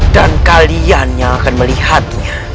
dan kalian yang akan melihatnya